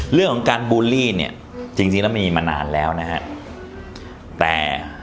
เรื่องของการบูลลี่เนี่ยจริงจริงแล้วมีมานานแล้วนะฮะแต่